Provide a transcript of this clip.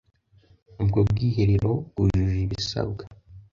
ubwo bwiherero bwujuje ibisabwa